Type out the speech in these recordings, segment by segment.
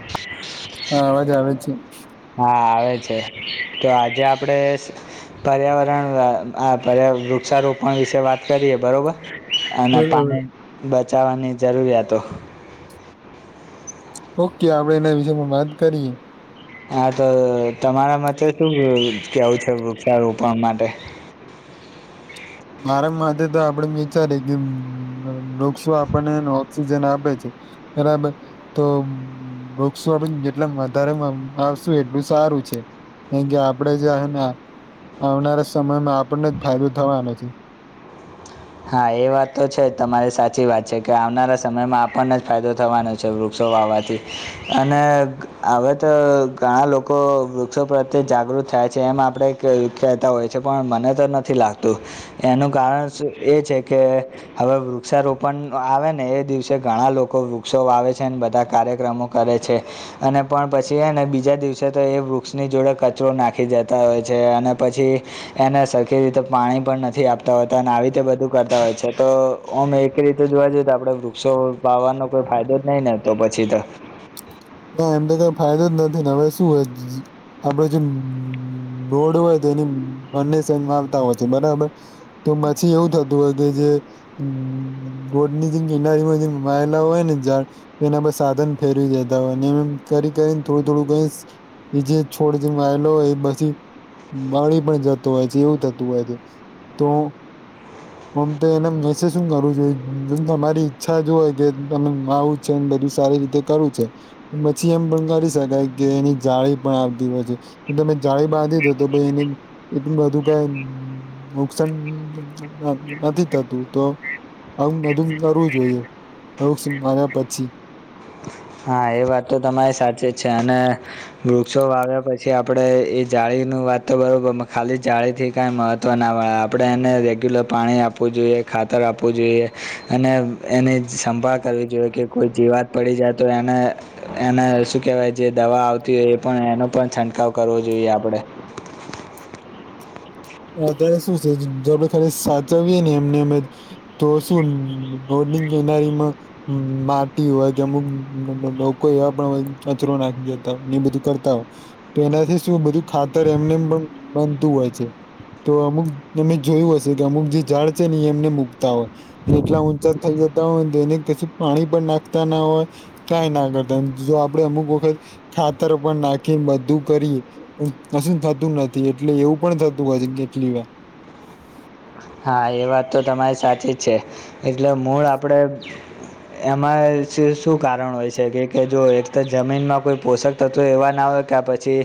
[inaudible] હા અવાજ આવે જ છે. હા આવે છે. તો આજે આપડે પર્યાવરણ આ આ પર્યાવ વૃક્ષારોપણ વિશે વાત કરીએ બરોબર? અને બરોબર પાણી બચાવાની જરૂરિયાતો. ઓકે આપડે એના વિષયમાં વાત કરીએ. હા તો તમારા માટે શું કેવું છે વૃક્ષારોપણ માટે? મારા માથે તો આપડે વિચારી કે વૃક્ષો આપણને ઓક્સિજન આપે છે. બરાબર તો વૃક્ષો આપે જેટલા વધારે વાવશું એટલું સારું છે. કેમ કે આપડે જે હેના આવનારા સમયમાં આપણને જ ફાયદો થવાનો છે. હા એ વાત તો છે જ તમારે સાચી વાત છે. કે આવનારા સમયમાં આપને જ ફાયદો થવાનો છે વૃક્ષો વાવવાથી. અને હવે તો ઘણા લોકો વૃક્ષો પ્રત્યે જાગૃત થયા છે એમ આપડે કે કે કહેતા હોય છે. પણ મને તો નથી લાગતું એનું કારણ એ છે કે હવે વૃક્ષારોપણ આવે ને એ દિવસે ઘણા લોકો વૃક્ષો વાવે છે અને બધા કાર્યક્રમો કરે છે. અને પણ પછી હેને બીજા દિવસે તો એ વૃક્ષની જોડે કચરો નાખી જતા હોય છે. અને પછી એને સરખી રીતે પાણી પણ નથી આપતા હોતા અને આવી રીતે બધું કરતા હોય છે. તો ઓમ એક રીતે જોવા જઈએ તો આપણે વૃક્ષો વાવાનો કોઈ ફાયદો જ નહીં ને. તો પછી ત ના એમ તો કઈ ફાયદો જ નથી ને હવે શું હોય આપડે જે રોડ હોય તેની બંને સાઇડ માનતા હોય છે બરાબર. તો પછી એવું થતું હોય કે જે હ ગોડની જે કિનારીમાં હોય જેમ વાયેલા હોય ને ઝાડ તેના પર સાધન ફેરવી દેતા હોય અને એમ કરી કરીને થોડી થોડું થોડું કરી એ જે છોડ જેમ વાયલો એ પછી બળી પણ જતો હોય છે. એવું થતું હોય છે. તો [inaudible] ઓમ તો એને મેસેજ શું કરું જોઈએ જો તમારી ઈચ્છા જ હોય કે તમે [inaudible] છે ને બધું સારી રીતે કરવું છે. પછી એમ પણ કરી શકાય કે એની જાળી પણ આવતી હોય છે. તમે જાળી બાંધી દોતો તો એને એટલું બધું કાઈ નુકસાન. નથી થતું તો. આવું બધું કરવું જોઈએ. [inaudible] માર્યા પછી. હા એ વાત તો તમારી સાચી જ છે. અને વૃક્ષો વાવ્યા પછી આપડે એ જાળીનું વાત તો બરોબર ખાલી જાળીથી કાઈ મહ મહત્વ ના હોય. આપણે એને રેગ્યુલર પાણી આપવું જોઈએ, ખાતર આપવું જોઈએ. અને એની સંભાળ કરવી જોઈએ કે કોઈ જીવાત પડી જાય તો એને એને શું કેવાય જે દવા આવતી હોય એ પણ એનો પણ છંટકાવ કરવો જોઈએ આપડે. અત્યારે શું છે જો આપડે ખાલી સાચવીએ ને એમને અમજ. તો શું બોલિંગ કીનારીમાં હમ માટી હોય કે અમુક લોકો એવા પણ હોય કચરો નાખી જતા હોય ને એ બધું કરતા હોય. તો એનાથી શું બધું ખાતર એમને એમ પણ બનતું હોય છે. તો અમુક તમે જોયું હશે કે અમુક જે ઝાડ છે ને એ એમને એમ ઉગતા હોય. ને એટલા ઊંચા થઈ જતા હોય ને તો એને કશું પાણી પણ નાખતા ના હોય. કંઈ ના કરતા જો આપડે અમુક વખત ખાતર પણ નાખીન બધું કરીયે કશું થતું નથી એટલે એવું પણ થ તું હોય છે ઘેટલી વાર. હા એ વાત તો તમારી સાચી જ છે એટલે મૂળ આપડે એમાંય છે શું કારણ હોય શકે કે જો એક તો જમીનમાં કોઈ પોષક તત્વો એવા ના હોય કે પછી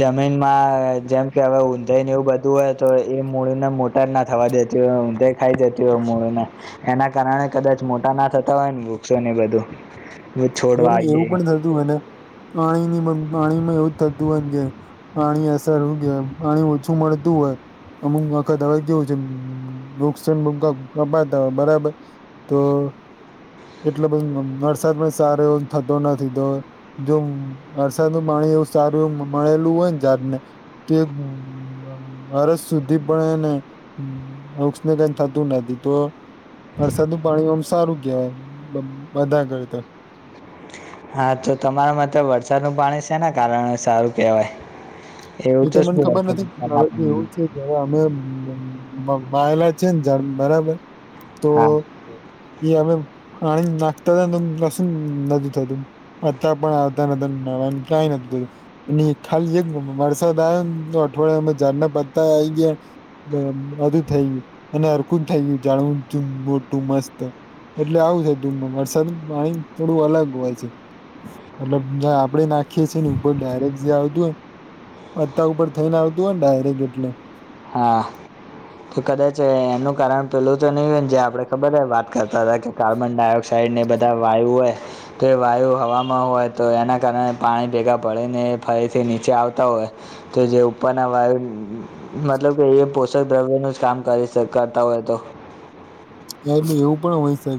જમીનમાં જેમ કે હવે ઊંધૈન એવું બધું હોય તો એ મૂડીને મોટર ના થવા દેતી હોય ઉંધઈ ખાઈ જતી હો મૂળને. એના કારણે કદાચ મોટા ના થતા હોય ન વૃક્ષો ને બધું. એ છોડવા એવું આવીએ પણ થતું હોયને પાણી નીમ પાણી માં એવું જ થતું હોય કે પાણી અસર હું કે પાણી ઓછું મળતું હોય અમુક વખત હવે કેવું છે [unintelligible] બરાબર. તો એટલો બધ વરસાદ પણ સારો એવ થતો નથી તો જો વરસાદ નું પાણી એવું સારું એવું મ મળેલું હોય ને જાડને તોએ વ વરસ સુધી પણ એને વૃક્ષને કઈ થતું નથી તો વરસાદનું પાણી ઓમ સારું કેહેવાય બ બધા કરતા. હા તો તમારા માટે વરસાદ ન પાણી છેના કારણે સારું કેહેવાય. એવું એ તો મને શું ખબર નથી પણ હવે એવું [unintelligible] છે તો અમે વવ વાયલા છે ને ઝાડ બરાબર તો હા એ અમે પાણી નાખતા તાન કશું નતુ થતું. અતા પણ આવતા નતા નવાનું ક્યાય [unintelligible] ન ખાલી એજ મમ માણસ [unintelligible] અઠવાડિયામ ઝાડના પત્તા આઈ ગ્યા બ બધું થઈ ગ્યું. અને હરખું જ થઈ ગયું જાણવુ [unintelligible] મોટું મસ્ત. એટલે આવું છે ધૂમમાં વરસાદનું પાણી થોડું અલગ હોય છે. મતલબ ના આપડે નાખીએ છીએ ને ઉપર ડાયરેક્ટ જે આવતું હોય પત્તા ઉપર થઈને આવતું હોયને ડાયરેક્ટ એટલે. હા. તો કદાચ એનું કારણ પેલું તો નહી હોયન જે આપડે ખબર હે વાત કરતાતા કે કાર્બન ડાયોક્સ સાઈડને બધા વાયુ હોય તે વાયુ હવામાં હોય તો એના કારણે પાણી ભેગા પડેને ફરીથી નીચે આવતા હોય કે જે ઉપરના વાયુ મતલબ કે એ પોષક દ્રવ્ય નું જ કામ કરી સ કરતા હોય તો. હવે તો એવું પણ હોઈ શકે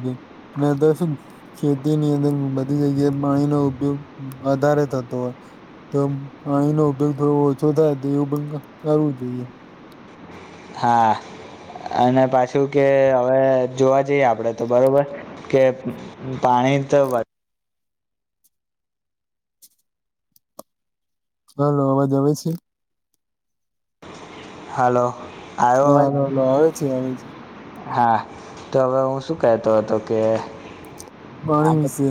નહીં તો શું ખેતી ની અંદર બધી જગ્યાએ પાણીનો ઉપયોગ વધારે થતો હોય. તો પાણીનો ઉપયોગ થોડો ઓછો થાય તો એવું બંધ કરવું જોઈએ. હા અને પાછું કે હવે જોવા જઈએ આપડે તો બરોબર કે પાણી તો વ હલો અવાજ આવે છે. હાલો. આવ્યો હા અવાજ હલો હલો આવે છે આવે છે. હા તો હવે હું શું કેતો હતો કે પાણી આપણે વિશે.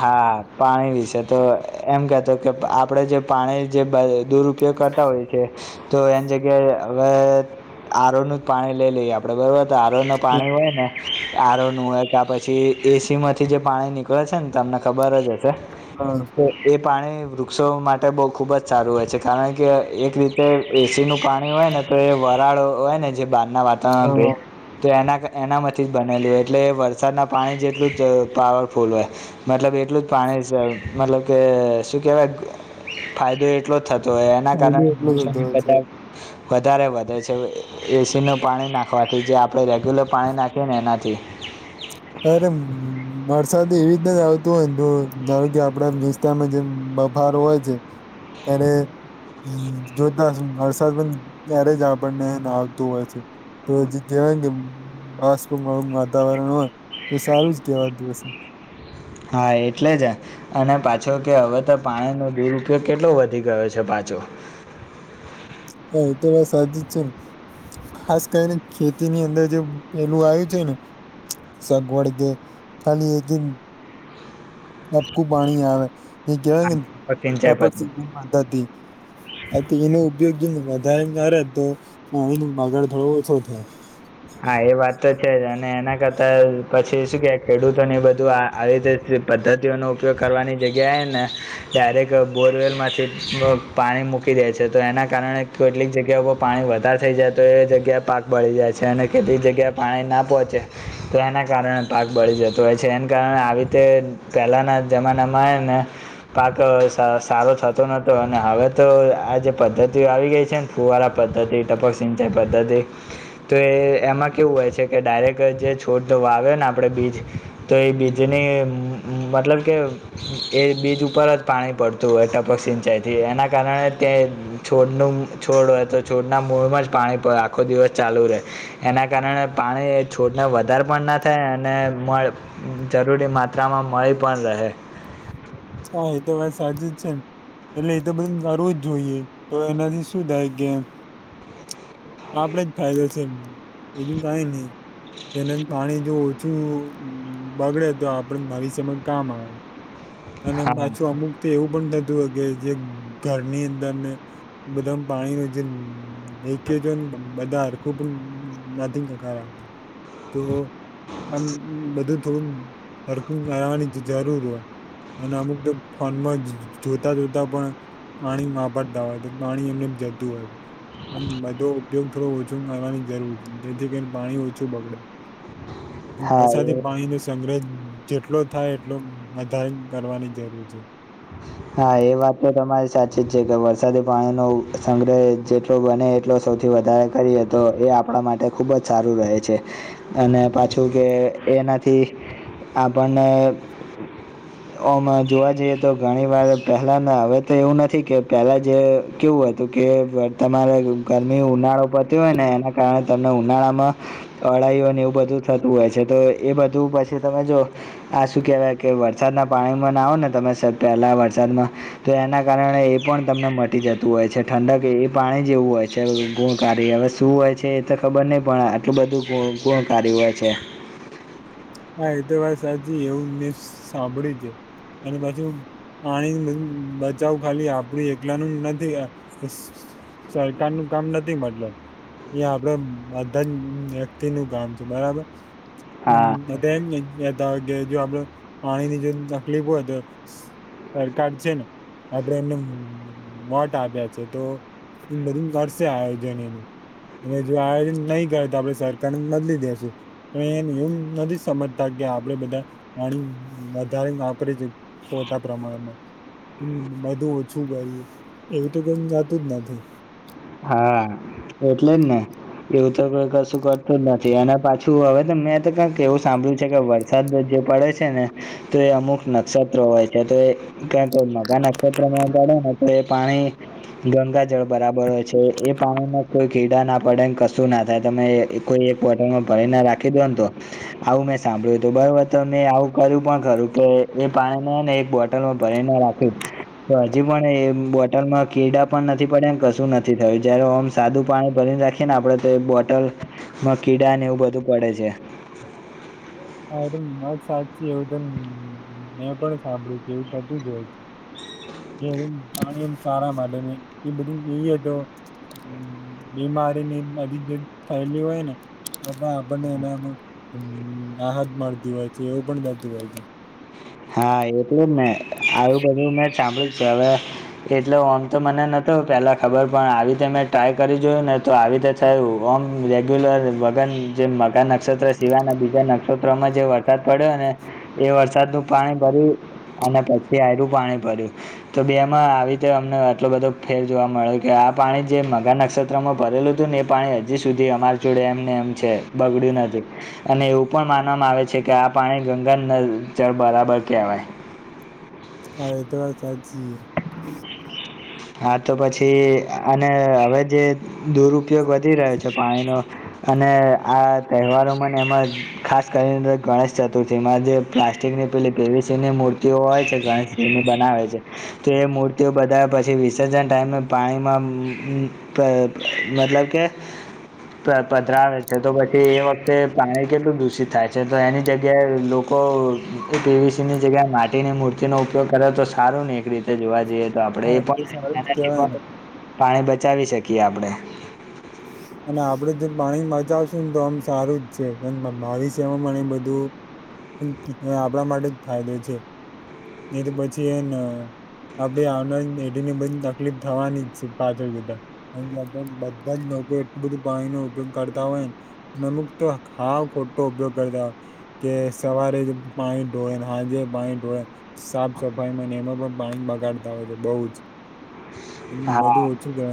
હા પાણી વિશે તો એમ કેતો કે પ આપડે જે પાણી જે બએ દુર પયોગ કરતા હોય કે તો એની જગ્યાએ હવે આરોનું જ પાણી લઈ લઈએ આપણે બરોબર આરોના પાણી હોય ને આરો નું હોય કા પછી એસી માંથી જે પાણી નીકળે છે ને તમને ખબર જ હશે હા તો એ પાણી વૃક્ષો માટે બહુ ખૂબ જ સારું હોય છે કારણ કે એક રીતે એસીનું પાણી હોય ને તો એ વરાળો હોય ને જે બહારના વાતાવરણ ભે હા તો એના કર એનામાંથી જ બનેલી હોય એટલે વરસાદના પાણી જેટલું જ પાવરફુલ હોય મતલબ એટલું જ પાણી છે મતલબ કે શું કહેવાય ફાયદો એટલો થતો હોય એના કારણે ફાયદો એટલો વૃક્ષો થતો ને હોય છે બધા વધારે વધે છે એસી નું પાણી નાખવાથી જે આ આપણે રેગ્યુલર પાણી નાખીએ ને એનાથી [unintelligible] વરસાદ એવી રીતે જ આવતું હોય ને તો ધારો કે આપણા વિસ્તારમાં જે બફારો હોય છે ત્યારે હમ જોઈતા હસું વરસાદ પણ ત્યારે જ આપણને આવતું હોય છે તો જે કહેવાય કે બાષ્પ વાળું વાતાવરણ હોય તો સારું જ કેવાતું હશે હા એટલે જ અને પાછો કે હવે તો પાણી નો દુરુપયોગ કેટલો વધી ગયો છે પાછો હા એ તો વાત સાચી છે ને ખાસ કરીને ખેતી ની અંદર જે પેલું આવ્યું છે ને સગવડ તે ખાલી એક [unintelligible] ટપકું પાણી આવે કહેવાય ને સિંચાઈ ટપક પદ્ધતિ સિંચાઈ પદ્ધતિ હા તો એનો ઉપયોગ જો વધારે કરે તો પાણી નો બગાડ થોડો ઓછો થાય હા એ વાત તો છે અને એના કરતા પછી શું કે ખેડૂતોને બધું આવી રીતે થયું પદ્ધતિઓનો ઉપયોગ કરવાની જગ્યાએ ને ડાયરેક્ટ બોરવેલ માંથી પાણી મૂકી દે છે તો એના કારણે કેટલીક જગ્યા પર પાણી વધારે થઈ જાય તો એ જગ્યાએ પાક બળી જાય છે અને કેટલી જગ્યાએ પાણી ના પહોચે તો એના કારણે પાક બળી જતો હોય છે એને કારણે આવી રીતે પહેલાના જમાનામાં હેને પાક સા સારો થતો નતો અને હવે તો આ જે પદ્ધતિઓ આવી ગઈ છે ને ફુવારા પદ્ધતિ ટપક સિંચાઈ પદ્ધતિ તો એ એમાં કેવું હોય છે કે ડાયરેક્ટ જે છોડ તો વાવ્યો ને આપણે બીજ તો એ બીજની મતલબ કે એ બીજ ઉપર જ પાણી પડતું હોય ટપક સિંચાઈ થી એના કારણે ત્યાં છોડનું છોડ હોય તો છોડના મૂળમાં જ પાણી પડે આખો દિવસ ચાલુ રહે એના કારણે પાણી છોડને વધારે પણ ના થાય અને મળ જરૂરી માત્રા મા મળી પણ રહે હા એ તો વાત સાચી જ છે ને એટલે એ તો બધું કરવું જ જોઈએ તો એનાથી શું થાય કે આપડે જ ફાયદો છે બીજું કાઈ નહી એના પાણી જો ઓછું બગડે તો આપડે ભવિષ્યમાં કામ આવે અને હા પાછું અમુક તો એવું પણ થતું હોય કે જે ઘરની અંદરને બધા પાણી નુ જે લી કેજ હોય બધા હરખું પણ નથી કરાવતા તો આમ બધું થોડું હરકુ કરાવાની જરૂર હોય અને અમુક દિન તો ફોનમાં જોતા જોતા પણ પાણી મવાપરતા હોય પાણી એમને જતું હોય આમ બજ તો ઉપયોગ થોડો ઓછું કરવાની જરૂર છે જેથી કરીને પાણી ઓછું બગડે. હા વરસાદી એ પાણી ને સંગ્રહ જેટલો થાય એટલો વધાર કરવાની જરૂર છે. હા એ વાત તો તમારી સાચી જ છે કે વરસાદી પાણીનો સંગ્રહ જેટલો બને એટલો સૌથી વધારે કરીએ તો એ આપડા માટે ખૂબ જ સારું રહે છે. અને પાછું કે એનાથી આપણને હમાં જોવા જઈએ તો ઘણી વાર પહેલાના હવે તો એવું નથી કે પહેલા જે કેવું હતું કે વર તમારે ગરમી ઉનાળું પડતી હોય ને એના કારણે તમને ઉનાળામાં અળાઈઓને એવું બધું થતું હોય છે તો એ બધું પછી તમે જો આ શું કેવાય કે વરસાદ ના પાણી ના આવ ને તમે વરસાદમાં તો એના કારણે એ પણ તમને મટી જતું હોય છે ઠંડક એ પાણી જેવું હોય છે ગુણકારી હવે શું હોય છે એ તો ખબર નહીં પણ આટલું બધું ગુણ ગુણકારી હોય છે. હા એ તો વાત સાચી એવું મેં સાંભળ્યું છે અને પાછું આની બ-બચાવ ખાલી આપડું એકલાનું નથી એસ સરકાર નું કામ નથી મતલબ. એ આપડે બધા જ વ્યક્તિ નું કામ છે બરાબર. નેમ હા તો એમતા હો કે જો આપડ પાણી ની જો તકલીફ હોય તો સરકાર છે ને આપડે એમને વોટ આપ્યા છે તો એ બધું કરશે આયોજન એનું. અને જો આયોજન નહી કરે તો આપડે સરકારને બદલી દેસું પણ એની એમ નથી સમજતા કે આપડે બધા પાણી વધારે વાપરી છે ખોટા પ્રમાણમાં. તેનું બધું ઓછું કરીએ એવું તો જાતું જ નથી. હા, એટલેજ ને. એવું તોઈ કશું કરતું જ નથી અને પાછું હવે તો મેં તો કક એવું સાંભળ્યું છે કે વર સાત જે પડે છે ને તો એ અમુક નક્ષત્રો હોય છે તો કે કો મગા નક્ષત્રમાં કાડે ને તો એ પાણી ગંગા જળ બરાબર હોય છે. તો એ પાણીમાં કોઈ કીડા ના પડેને કશું ના થાય તમે કોઈ એક બોટલ માં ભરી ના રાખી દો ને તો. આવું મેં સાંભળ્યું હતું બરોબર તો મેં આવું કર્યું પણ ખરું કે એ પાણી ને એક બોટ લમાં ભરી ના રાખ્યું તો હજી પણ એ બોટલમાં કીડા પણ નથી પડ્યા કશું ન થી થઈ જયારે ઓમ સાદું પાણી ભરીને રાખ ખે ને ને આપડે તો બોટલમાં કીડા ને એવું બધું પડે છે. હા એટ મત સાચચી એવું મેં પણ સાંભળ્યું છે એવું થતું જ હોય છે. જે યુ પાણી આમ સારા માટે ની ઈ બધું પિયે તો બીમારીની બધી જે થયેલી હોય ને બધા આપણ ને એના નો હમ્મ રાહત મળતી હોય છે એવું પણ થાતું હોય છે. હા એટલેજ ને આવું બધું મેં સાંભળ્યું છે હવે એટલે આમ તો મને નતો પેલા ખબર પણ આવી રીતે મેં ટ્રાય કરી જોયુંને તો આવી રીતે થયું ઓમ રેગ્યુલર વગન જે મગા નક્ષત્ર સિવાયના બીજા નક્ષત્રોમાં જેવ વરસાદ પડ્યો અને એ વરસાદનું પાણી ભરું અને પછી આયરું પાણી ભરું તો બેમાં આવી રીતે અમને આટલો બધો ફેર જોવા મળ્યો કે આ પાણી જે [unintelligible] માં ભરેલું હતું ને એ પાણી હજી સુધી અમાર જોડે એમ ને એમ છે બગડ્યું નથી. અને એવું પણ માનવામાં આવે છે કે આ પાણી ગંગા ન જળ બરાબર કહેવાય. હા એ તો વાત સાચી હા તો પછી અને હવે જે દુરુપયોગ વધી રહ્યો છે પાણીનો અને આ તહેવારોને એમાં ખાસ કરીને ગણેશ ચતુર્થીમાં જે પ્લાસ્ટિકની પેલી પીવીસીની મૂર્તિઓ હોય છે ગણેશજીની બનાવે છે. તે મૂર્તિઓ બધા જે વિસર્જન ટાઈમે પાણીમાં મતલબ કે, પધરાવે છે તો પછી એ વખતે પાણી કેટલું દૂષિત થાય છે તો એની જગ્યાએ લોક કો પીવીસીની જગ્યાએ માટીની મૂર્તિનો ઉપયોગ કરે તો સારું ને એક રીત જોવા જઈએ તો આપણે હા એ તો પણ સારું જ એનાથી કેવાય પણ ને પાણી બચાવી શકીએ આપણે અને આપણે જો પાણી બચાવશુંને તો આમ સારું જ છે એમ ભવિષ્યમાં પણ એ બધું આપણા માટે જ ફાયદો છે. નય તો પછી એન આપણી આવનારી પેઢીને પણ તકલીફ થવાની જ છે પાછળ જતા અહીયા પણ બધા જ લોકો એટલું બધું પાણીનો ઉપયોગ કરતા હોયન અમુક તો હાવ ખોટો ઉપયોગ કરતા હોય કે સવારે જ પાણી ઢોળાય સાંજે પાણી ઢોળાય સાફ સફાયમાં એમાં પણ પાણી બગાડતા હોય છે બઉ જ, હા બધું શું કેવાય